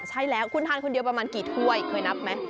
ใช่แล้วคุณทานคนเดียวประมาณกี่ถ้วยเคยนับไหม